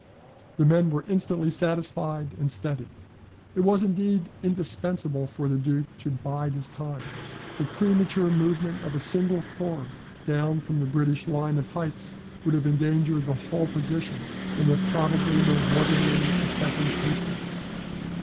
The men were instantly satisfied and steady. It was, indeed, indispensable for the Duke to bide his time. The premature movement of a single corps down from the British line of heights, would have endangered the whole position, and have probably made Waterloo a second Hastings.